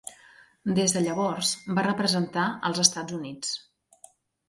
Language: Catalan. Des de llavors va representar els Estats Units.